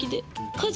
家事。